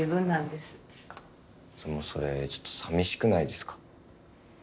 でもそれちょっと寂しくないですか？